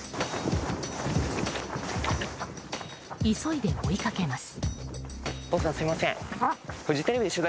急いで追いかけます。